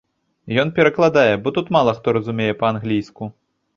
Ён перакладае, бо тут мала хто разумее па-англійску.